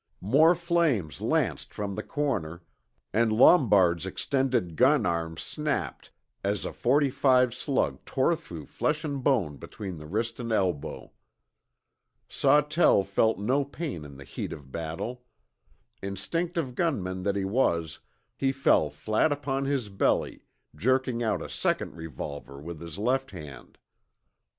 More flames lanced from the corner, and Lombard's extended gun arm snapped as a forty five slug tore through flesh and bone between the wrist and elbow. Sawtell felt no pain in the heat of battle. Instinctive gunman that he was, he fell flat upon his belly, jerking out a second revolver with his left hand.